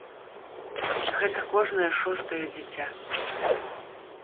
Гэта кожнае шостае дзіця.